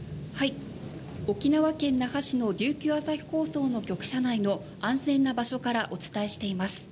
沖縄県那覇市の琉球朝日放送の局舎内の安全な場所からお伝えしています。